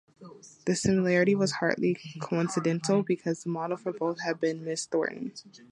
The similarity was hardly coincidental because the model for both had been Miss Thornton.